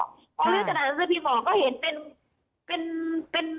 ลื้อกระดาษหนังสือพิมพ์มาก็เห็นเป็น